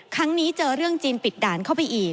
ครั้งนี้เจอเรื่องจีนปิดด่านเข้าไปอีก